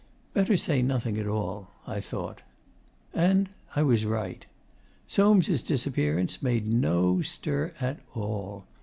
Better say nothing at all, I thought. And I was right. Soames' disappearance made no stir at all.